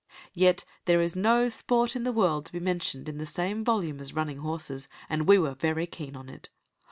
Yet there is no sport in the world to be mentioned in the same volume as "running horses", and we were very keen on it.